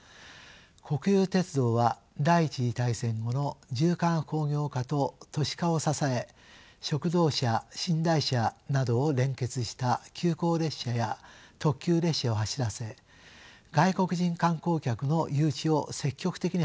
国有鉄道は第１次大戦後の重化学工業化と都市化を支え食堂車寝台車などを連結した急行列車や特急列車を走らせ外国人観光客の誘致を積極的に図りました。